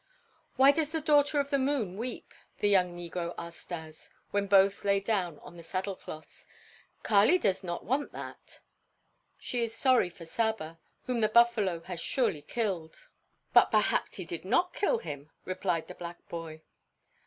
"Why does the daughter of the moon weep?" the young negro asked Stas, when both lay down on the saddle cloths. "Kali does not want that." "She is sorry for Saba, whom the buffalo has surely killed." "But perhaps he did not kill him," replied the black boy.